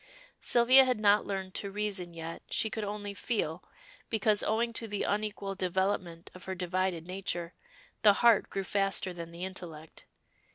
Sylvia had not learned to reason yet, she could only feel, because, owing to the unequal development of her divided nature, the heart grew faster than the intellect.